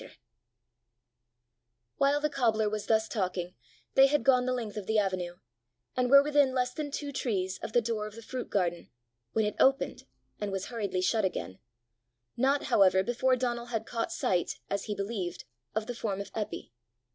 '" While the cobbler was thus talking, they had gone the length of the avenue, and were within less than two trees of the door of the fruit garden, when it opened, and was hurriedly shut again not, however, before Donal had caught sight, as he believed, of the form of Eppy.